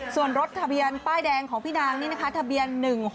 ส่วนรถทะเบียนป้ายแดงของพี่นางนี่นะคะทะเบียน๑๖